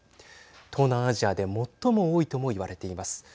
東南アジアで最も多いとも言われています。